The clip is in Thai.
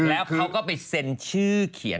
แล้วเขาก็ไปเซ็นชื่อเขียน